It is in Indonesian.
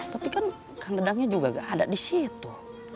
tapi kan kang dadangnya juga gak ada di situ